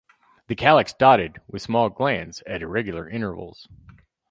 The calyx dotted with small glands at irregular intervals.